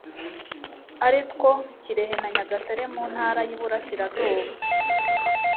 ari two kirehe na nyagatare mu ntara y iburasirazuba